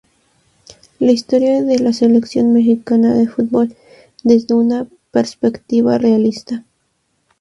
La historia de la Selección Mexicana de Fútbol desde una perspectiva realista.